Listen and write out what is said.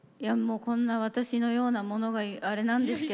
こんな私のような者があれなんですけど。